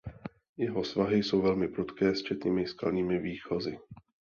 Jeho svahy jsou velmi prudké s četnými skalními výchozy.